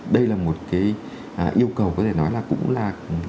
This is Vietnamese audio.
đây là một cái yêu cầu có thể nói là cũng là